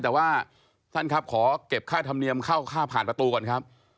แต่ว่าท่านครับขอเก็บค่าธรรมเนียมเข้าค่าผ่านประตูก่อนครับ